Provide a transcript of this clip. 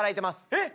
えっ！